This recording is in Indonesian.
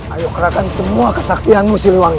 ayo kerahkan semua kesaktian musim wangi